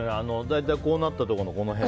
大体、こうなったところのこの辺。